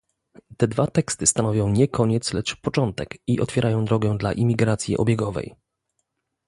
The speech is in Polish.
"te dwa teksty stanowią nie koniec, lecz początek i otwierają drogę dla imigracji obiegowej"